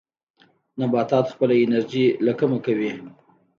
نباتات خپله انرژي له کومه کوي؟